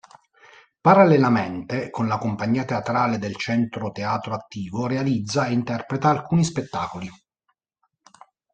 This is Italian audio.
Parallelamente, con la compagnia teatrale del Centro Teatro Attivo realizza e interpreta alcuni spettacoli.